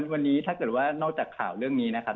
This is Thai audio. วันนี้ถ้าเกิดว่านอกจากข่าวเรื่องนี้นะครับ